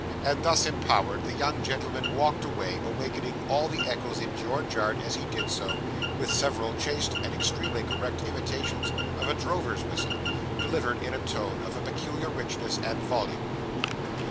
And thus empowered, the young gentleman walked away, awakening all the echoes in George Yard as he did so, with several chaste and extremely correct imitations of a drover's whistle, delivered in a tone of peculiar richness and volume.